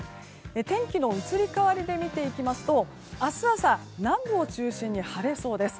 天気の移り変わりで見ていきますと明日朝南部を中心に晴れそうです。